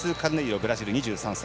ブラジル、２３歳。